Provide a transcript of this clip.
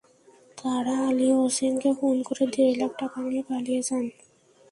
তাঁরা আলী হোসেনকে খুন করে দেড় লাখ টাকা নিয়ে পালিয়ে যান।